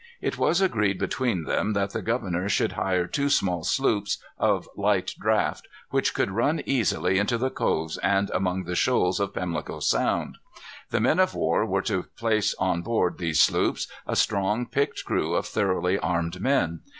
It was agreed between them that the governor should hire two small sloops, of light draft, which could run easily into the coves and among the shoals of Pamlico Sound. The men of war were to place on board these sloops a strong picked crew of thoroughly armed men.